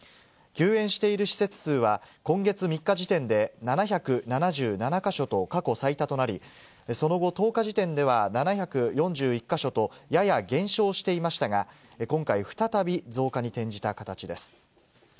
休園している施設数は、今月３日時点で７７７か所と過去最多となり、その後、１０日時点では７４１か所と、やや減少していましたが、今回、再び増加に転じた形です。